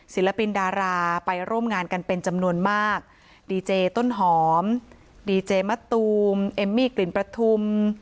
ศิลปินดาราไปร่วมงานกันเป็นจำนวนมากดีเจต้นหอมดีเจมะตูมเอมมี่กลิ่นประทุม